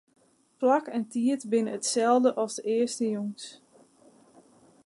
Plak en tiid binne itselde as de earste jûns.